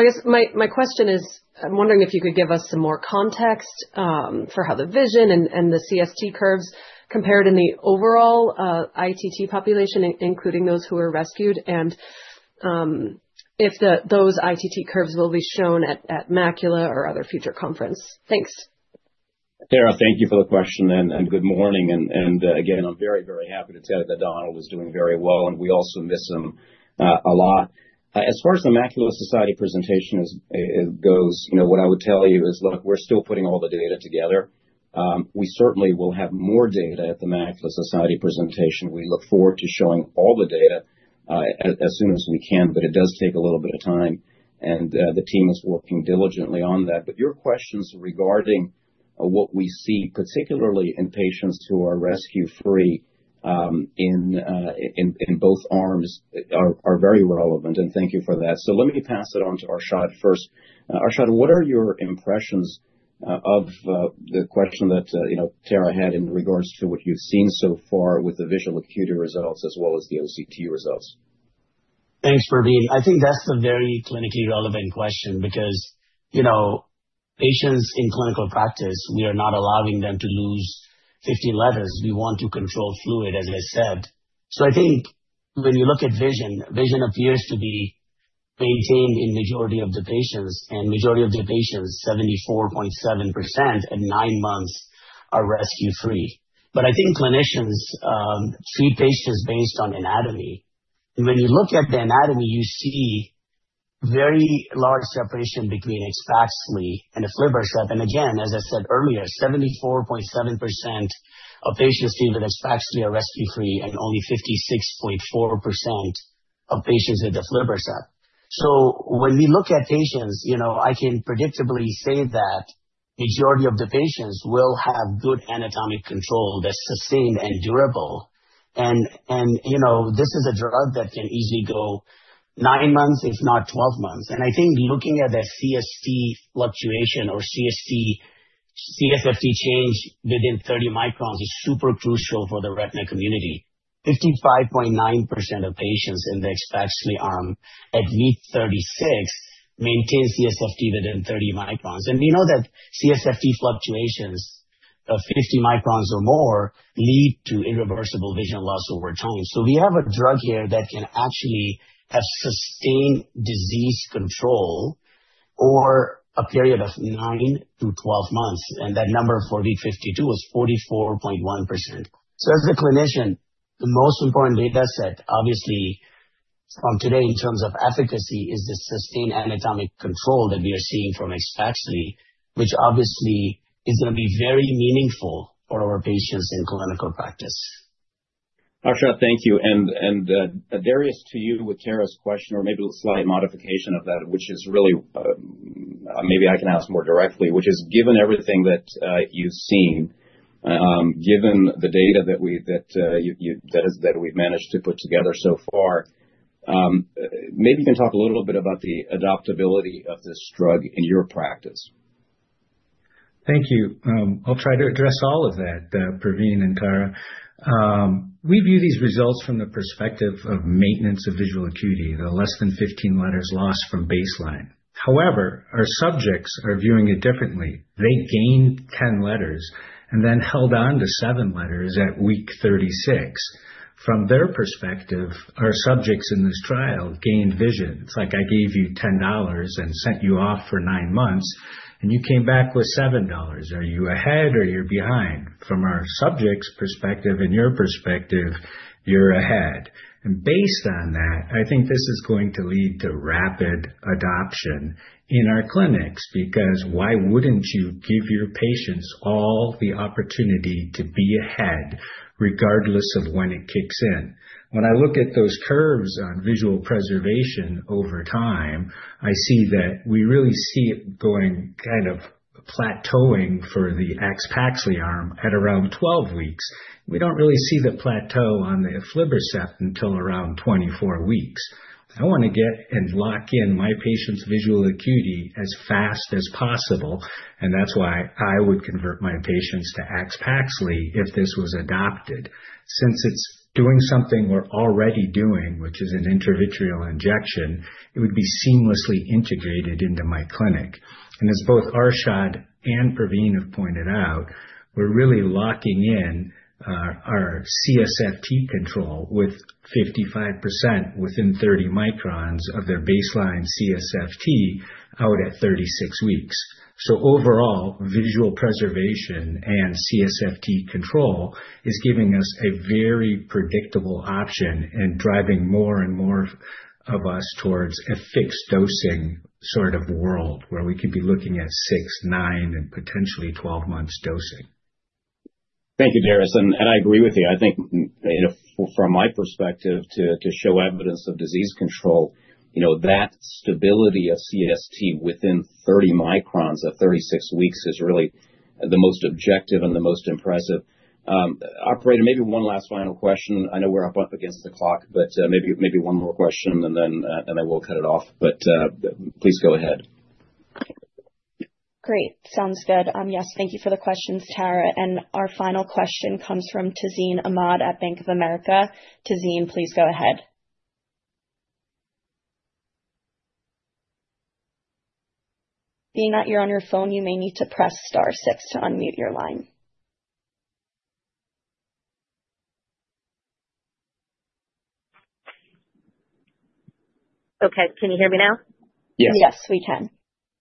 [SPEAKER 7] I guess my question is: I'm wondering if you could give us some more context for how the vision and the CST curves compared in the overall ITT population, including those who were rescued, and if those ITT curves will be shown at Macula or other future conference. Thanks.
[SPEAKER 3] Tara, thank you for the question, and good morning. And again, I'm very, very happy to say that Donald is doing very well, and we also miss him a lot. As far as the Macula Society presentation is, goes, you know, what I would tell you is, look, we're still putting all the data together. We certainly will have more data at the Macula Society presentation. We look forward to showing all the data, as soon as we can, but it does take a little bit of time, and the team is working diligently on that. But your questions regarding what we see, particularly in patients who are rescue-free, in both arms, are very relevant, and thank you for that. So let me pass it on to Arshad first. Arshad, what are your impressions of the question that you know Tara had in regards to what you've seen so far with the visual acuity results as well as the OCT results?
[SPEAKER 4] Thanks, Pravin. I think that's a very clinically relevant question because, you know, patients in clinical practice, we are not allowing them to lose 15 letters. We want to control fluid, as I said. So I think when you look at vision, vision appears to be maintained in majority of the patients, and majority of the patients, 74.7% at 9 months, are rescue free. But I think clinicians treat patients based on anatomy. And when you look at the anatomy, you see very large separation between AXPAXLI and aflibercept. And again, as I said earlier, 74.7% of patients treated with AXPAXLI are rescue free and only 56.4% of patients with aflibercept. So when we look at patients, you know, I can predictably say that majority of the patients will have good anatomic control that's sustained and durable. You know, this is a drug that can easily go 9 months, if not 12 months. I think looking at the CSFT fluctuation or CSFT, CSFT change within 30 microns is super crucial for the retina community. 55.9% of patients in the AXPAXLI arm at week 36 maintain CSFT within 30 microns. We know that CSFT fluctuations of 50 microns or more lead to irreversible vision loss over time. So we have a drug here that can actually have sustained disease control for a period of 9-12 months, and that number for week 52 was 44.1%. So as a clinician, the most important data set, obviously. From today, in terms of efficacy, is the sustained anatomic control that we are seeing from AXPAXLI, which obviously is going to be very meaningful for our patients in clinical practice.
[SPEAKER 3] Arshad, thank you. Darius, to you with Tara's question, or maybe a slight modification of that, which is really, maybe I can ask more directly, which is: Given everything that you've seen, given the data that we've managed to put together so far, maybe you can talk a little bit about the adoptability of this drug in your practice.
[SPEAKER 5] Thank you. I'll try to address all of that, Pravin and Tara. We view these results from the perspective of maintenance of visual acuity, the less than 15 letters lost from baseline. However, our subjects are viewing it differently. They gained 10 letters and then held on to 7 letters at week 36. From their perspective, our subjects in this trial gained vision. It's like I gave you $10 and sent you off for 9 months, and you came back with $7. Are you ahead or you're behind? From our subjects' perspective and your perspective, you're ahead. Based on that, I think this is going to lead to rapid adoption in our clinics, because why wouldn't you give your patients all the opportunity to be ahead, regardless of when it kicks in? When I look at those curves on visual preservation over time, I see that we really see it going kind of plateauing for the AXPAXLI arm at around 12 weeks. We don't really see the plateau on the aflibercept until around 24 weeks. I want to get and lock in my patients' visual acuity as fast as possible, and that's why I would convert my patients to AXPAXLI if this was adopted. Since it's doing something we're already doing, which is an intravitreal injection, it would be seamlessly integrated into my clinic. And as both Arshad and Pravin have pointed out, we're really locking in our CSFT control with 55% within 30 microns of their baseline CSFT out at 36 weeks. Overall, visual preservation and CSFT control is giving us a very predictable option and driving more and more of us towards a fixed dosing sort of world, where we can be looking at 6, 9, and potentially 12 months dosing.
[SPEAKER 3] Thank you, Darius, and I agree with you. I think from my perspective, to show evidence of disease control, you know, that stability of CSFT within 30 microns at 36 weeks is really the most objective and the most impressive. Operator, maybe one last final question. I know we're up against the clock, but maybe one more question and then I will cut it off, but please go ahead.
[SPEAKER 1] Great. Sounds good. Yes, thank you for the questions, Tara. Our final question comes from Tazeen Ahmad at Bank of America. Tazeen, please go ahead. Being that you're on your phone, you may need to press star six to unmute your line.
[SPEAKER 8] Okay. Can you hear me now?
[SPEAKER 3] Yes.
[SPEAKER 1] Yes, we can.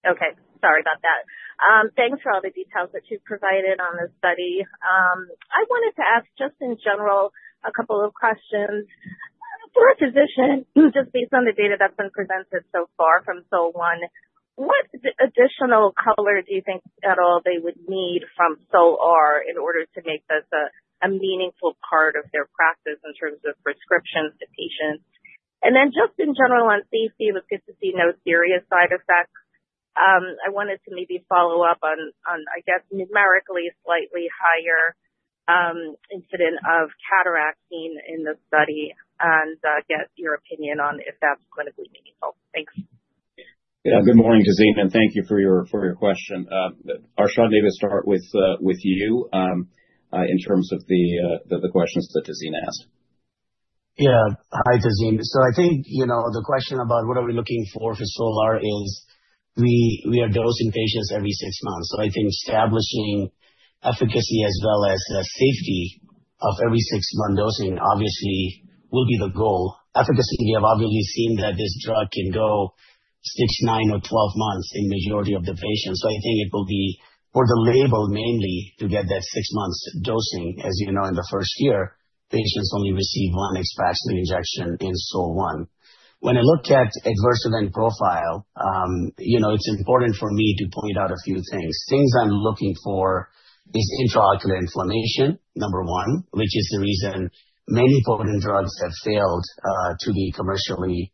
[SPEAKER 8] Okay. Sorry about that. Thanks for all the details that you've provided on this study. I wanted to ask, just in general, a couple of questions. For a physician, just based on the data that's been presented so far from SOL-1, what additional color do you think at all they would need from SOL-R in order to make this a meaningful part of their practice in terms of prescriptions to patients? And then just in general, on safety, it was good to see no serious side effects. I wanted to maybe follow up on, I guess, numerically slightly higher incidence of cataracts seen in the study and get your opinion on if that's clinically meaningful. Thanks.
[SPEAKER 3] Yeah. Good morning, Tazeen, and thank you for your question. Arshad, maybe start with you in terms of the questions that Tazeen asked.
[SPEAKER 4] Yeah. Hi, Tazeen. So I think, you know, the question about what are we looking for for SOL-R is we are dosing patients every six months. So I think establishing efficacy as well as safety of every six-month dosing obviously will be the goal. Efficacy, we have obviously seen that this drug can go six, nine, or twelve months in majority of the patients. So I think it will be for the label, mainly to get that six months dosing. As you know, in the first year, patients only receive one AXPAXLI injection in SOL-1. When I look at adverse event profile, you know, it's important for me to point out a few things. Things I'm looking for is intraocular inflammation, number one, which is the reason many potent drugs have failed to be commercially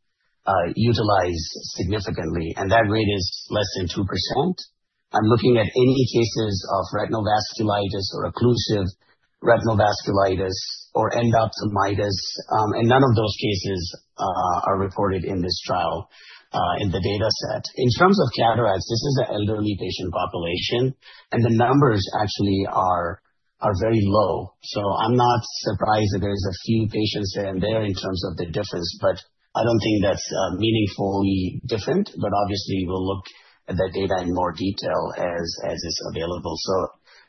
[SPEAKER 4] utilized significantly, and that rate is less than 2%. I'm looking at any cases of retinal vasculitis or occlusive retinal vasculitis or endophthalmitis, and none of those cases are reported in this trial, in the data set. In terms of cataracts, this is an elderly patient population, and the numbers actually are very low. So I'm not surprised that there's a few patients here and there in terms of the difference, but I don't think that's meaningfully different. But obviously, we'll look at the data in more detail as is available. So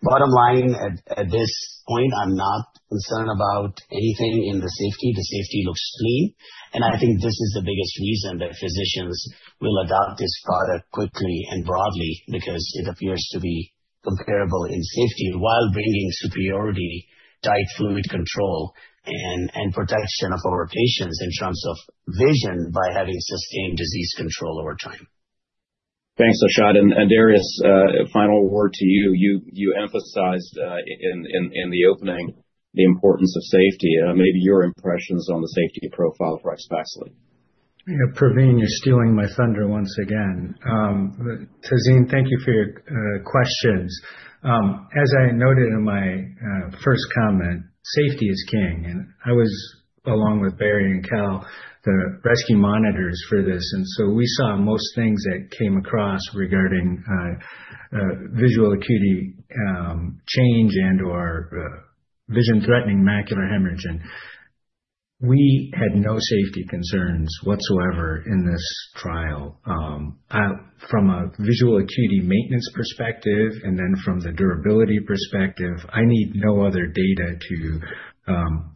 [SPEAKER 4] bottom line, at this point, I'm not concerned about anything in the safety. The safety looks clean, and I think this is the biggest reason that physicians will adopt this product quickly and broadly, because it appears to be-... comparable in safety while bringing superiority, tight fluid control, and protection of our patients in terms of vision, by having sustained disease control over time.
[SPEAKER 3] Thanks, Arshad, and Darius, final word to you. You emphasized in the opening the importance of safety. Maybe your impressions on the safety profile for AXPAXLI.
[SPEAKER 5] You know, Pravin, you're stealing my thunder once again. Tazeen, thank you for your questions. As I noted in my first comment, safety is king, and I was, along with Barry and Carl, the rescue monitors for this. So we saw most things that came across regarding visual acuity change into our vision-threatening macular hemorrhage, and we had no safety concerns whatsoever in this trial. From a visual acuity maintenance perspective, and then from the durability perspective, I need no other data to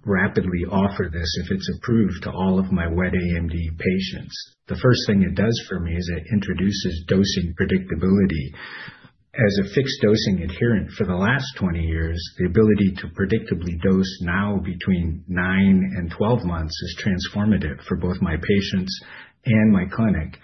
[SPEAKER 5] rapidly offer this if it's approved to all of my wet AMD patients. The first thing it does for me is it introduces dosing predictability. As a fixed dosing adherent for the last 20 years, the ability to predictably dose now between nine and 12 months is transformative for both my patients and my clinic.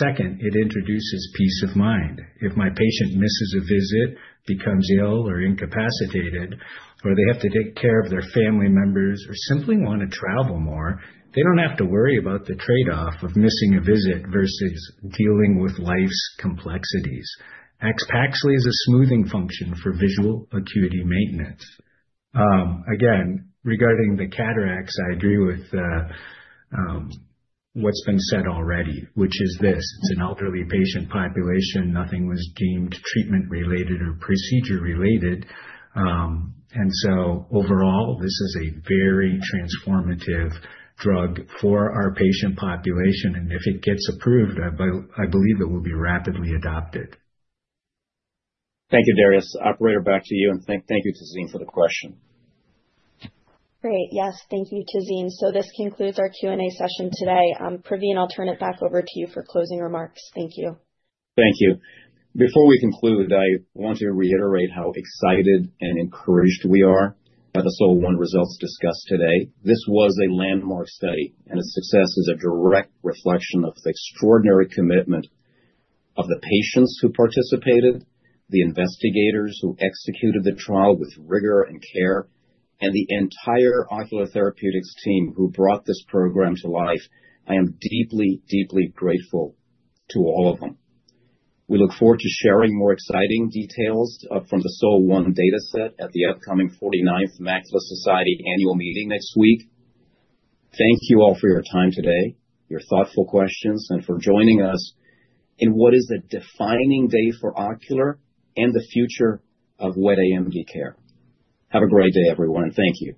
[SPEAKER 5] Second, it introduces peace of mind. If my patient misses a visit, becomes ill or incapacitated, or they have to take care of their family members, or simply want to travel more, they don't have to worry about the trade-off of missing a visit versus dealing with life's complexities. AXPAXLI is a smoothing function for visual acuity maintenance. Again, regarding the cataracts, I agree with what's been said already, which is this: It's an elderly patient population. Nothing was deemed treatment-related or procedure-related. And so overall, this is a very transformative drug for our patient population, and if it gets approved, I, I believe it will be rapidly adopted.
[SPEAKER 3] Thank you, Darius. Operator, back to you, and thank you, Tazeen, for the question.
[SPEAKER 1] Great. Yes, thank you, Tazeen. This concludes our Q&A session today. Pravin, I'll turn it back over to you for closing remarks. Thank you.
[SPEAKER 3] Thank you. Before we conclude, I want to reiterate how excited and encouraged we are by the SOL-1 results discussed today. This was a landmark study, and its success is a direct reflection of the extraordinary commitment of the patients who participated, the investigators who executed the trial with rigor and care, and the entire Ocular Therapeutix team who brought this program to life. I am deeply, deeply grateful to all of them. We look forward to sharing more exciting details from the SOL-1 dataset at the upcoming 49th Macula Society Annual Meeting next week. Thank you all for your time today, your thoughtful questions, and for joining us in what is a defining day for Ocular Therapeutix and the future of wet AMD care. Have a great day, everyone, and thank you.